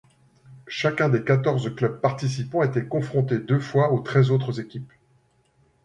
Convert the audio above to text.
Chacun des quatorze clubs participant était confronté deux fois aux treize autres équipes.